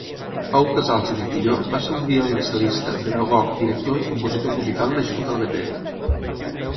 Pau Casals i Defilló va ser un violoncel·lista, pedagog, director i compositor musical nascut al Vendrell.